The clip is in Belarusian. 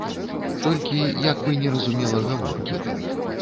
Толькі як бы не разумела гаворкі.